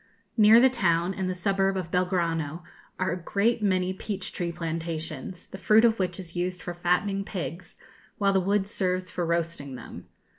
Near the town and the suburb of Belgrano are a great many peach tree plantations, the fruit of which is used for fattening pigs while the wood serves for roasting them.